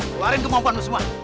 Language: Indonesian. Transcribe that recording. keluarin kemampuan lu semua